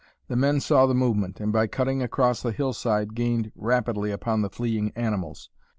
The men saw the movement, and by cutting across the hillside gained rapidly upon the fleeing animals.